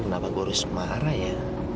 kenapa gue harus mahara ya